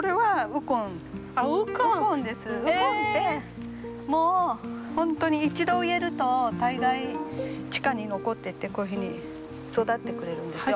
ウコンってもう本当に一度植えると大概地下に残っててこういうふうに育ってくれるんですよ。